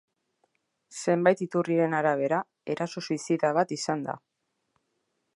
Zenbait iturriren arabera, eraso suizida bat izan da.